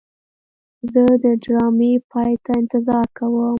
زه د ډرامې پای ته انتظار کوم.